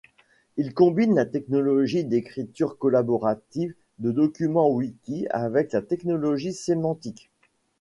Il combine la technologie d’écriture collaborative de documents wiki avec la technologie sémantique.